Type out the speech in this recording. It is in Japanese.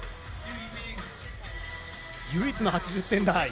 唯一の８０点台。